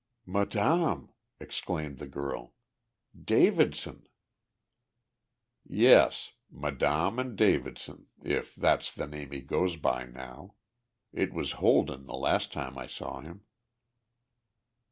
"Madame!" exclaimed the girl. "Davidson!" "Yes Madame and Davidson, if that's the name he goes by now. It was Holden the last time I saw him."